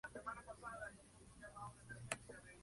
Tras la muerte de su padre dejó la música.